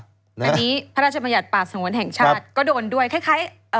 อันนี้พระราชบัญญัติป่าสงวนแห่งชาติก็โดนด้วยคล้าย